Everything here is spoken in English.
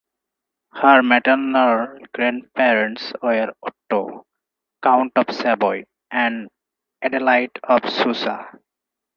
Her maternal grandparents were Otto, Count of Savoy, and Adelaide of Susa.